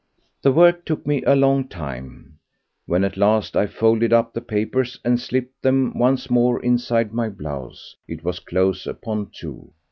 The work took me a long time. When at last I folded up the papers and slipped them once more inside my blouse it was close upon two.